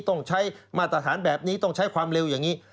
ต้องใช้มาตรฐานแบบนี้ต้องใช้ความเร็วอย่างนี้